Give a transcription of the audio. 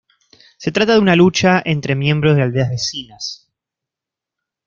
Se trata de una lucha entre miembros de aldeas vecinas.